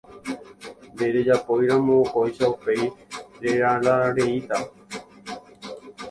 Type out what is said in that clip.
Nderejapóiramo kóicha upéi relalareíta.